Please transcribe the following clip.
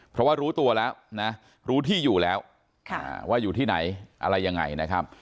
เพราะว่ารู้ตัวแล้วนะรู้ที่อยู่แล้วว่าอยู่ที่ไหนอะไรยังไงนะครับ